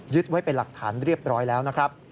ไว้เป็นหลักฐานเรียบร้อยแล้วนะครับ